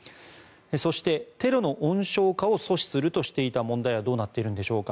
そして、テロの温床化を阻止するとしていた問題はどうなっているのでしょうか。